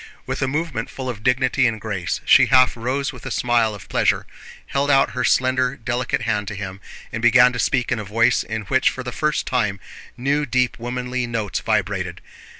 With a movement full of dignity and grace she half rose with a smile of pleasure, held out her slender, delicate hand to him, and began to speak in a voice in which for the first time new deep womanly notes vibrated.